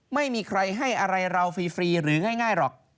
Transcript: ไม่มีใครให้อะไรเราฟรีหรือง่ายหรอก